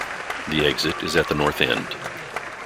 The exit is at the north end.